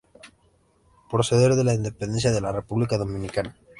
Prócer de la independencia de la República Dominicana.